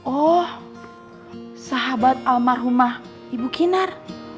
oh sahabat almarhumah ibu kinar